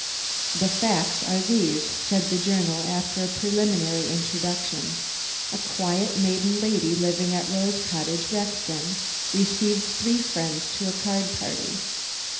"The facts are these," said the journal, after a preliminary introduction. "A quiet maiden lady living at Rose Cottage, Rexton, received three friends to a card party.